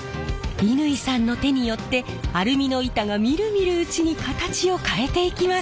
乾さんの手によってアルミの板がみるみるうちに形を変えていきます！